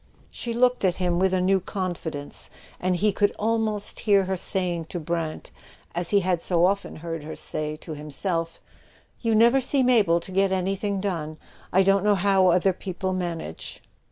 She looked at him with a new confidence, and he could almost hear her saying to Brant, as he had so often heard her say to himself: "You never seem able to get anything done. I don't know how other people manage."